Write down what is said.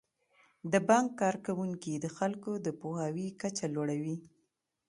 د بانک کارکوونکي د خلکو د پوهاوي کچه لوړوي.